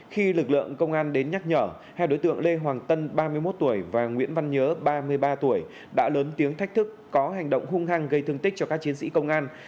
khi lực lượng công an đến nhắc nhở hai đối tượng lê hoàng tân ba mươi một tuổi và nguyễn văn nhớ ba mươi ba tuổi đã lớn tiếng thách thức có hành động hung hăng gây thương tích cho các chiến sĩ công an